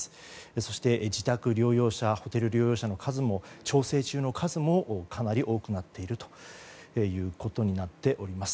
そして自宅療養者ホテル療養者の数も調整中の数もかなり多くなっているということになっております。